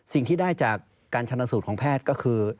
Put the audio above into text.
สิ่งที่ได้จากการชนสูตรของแพทย์ก็คือ